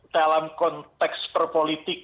dalam konteks perpolitik